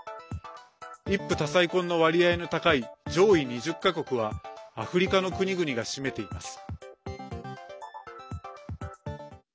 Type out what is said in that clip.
一夫多妻婚の割合の高い上位２０か国はアフリカの国々が占めています。